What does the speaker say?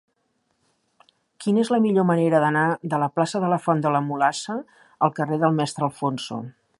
Quina és la millor manera d'anar de la plaça de la Font de la Mulassa al carrer del Mestre Alfonso?